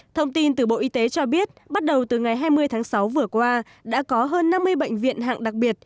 thông tin từ bộ y tế cho biết bắt đầu từ ngày hai mươi tháng sáu vừa qua đã có hơn năm mươi bệnh viện hạng đặc biệt